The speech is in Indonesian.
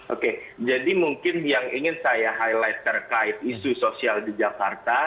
oke jadi mungkin yang ingin saya highlight terkait isu sosial di jakarta